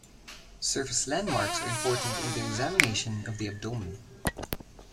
Surface landmarks are important in the examination of the abdomen.